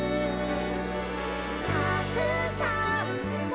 「たくさんの」